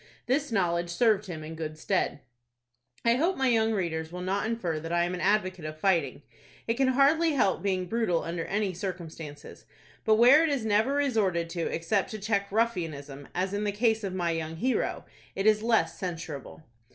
This knowledge served him in good stead. I hope my young readers will not infer that I am an advocate of fighting. It can hardly help being brutal under any circumstances; but where it is never resorted to except to check ruffianism, as in the case of my young hero, it is less censurable.